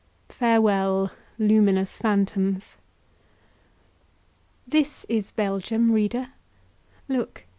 Farewell, luminous phantoms! This is Belgium, reader. Look!